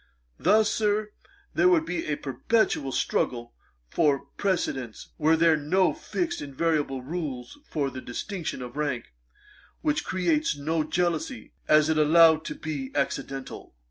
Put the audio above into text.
Thus, Sir, there would be a perpetual struggle for precedence, were there no fixed invariable rules for the distinction of rank, which creates no jealousy, as it is allowed to be accidental.'